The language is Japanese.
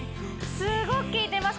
すごくきいてます